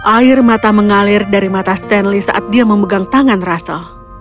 air mata mengalir dari mata stanley saat dia memegang tangan russel